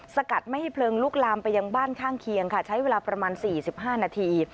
สกัดไม่ให้เพลิงลุกลามไปยังบ้านข้างเคียงค่ะใช้เวลาประมาณ๔๕นาที